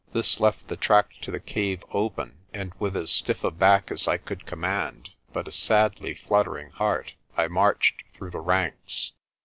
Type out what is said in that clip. This left the track to the cave open, and with as stiff a back as I could command but a sadly fluttering heart, I marched through the ranks.